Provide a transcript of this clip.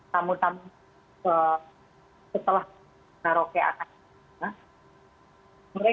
tamu tamu setelah karaoke akan mulai